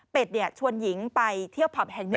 เป็นชวนหญิงไปเที่ยวผับแห่งหนึ่ง